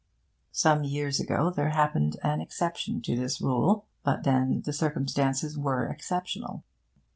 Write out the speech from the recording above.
Some years ago there happened an exception to this rule. But then the circumstances were exceptional.